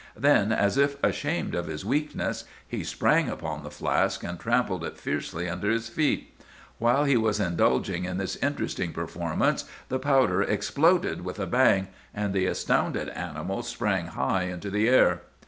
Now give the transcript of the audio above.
Then, as if ashamed of his weakness, he sprang upon the flask and trampled it fiercely under his feet. While he was indulging in this interesting performance the powder exploded with a bang, and the astounded animal sprang high into the air.